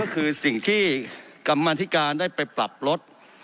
ก็คือสิ่งที่กรรมธิการได้ไปปรับลด